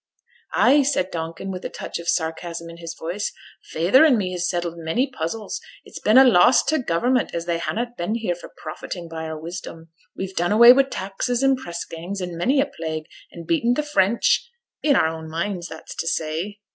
'Ay!' said Donkin, with a touch of sarcasm in his voice; 'feyther and me has settled many puzzles; it's been a loss to Government as they hannot been here for profiting by our wisdom. We've done away wi' taxes and press gangs, and many a plague, and beaten t' French i' our own minds, that's to say.'